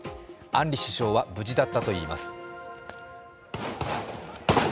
アンリ首相は無事だったといいます。